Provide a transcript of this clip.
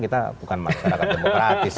kita bukan masyarakat demokratis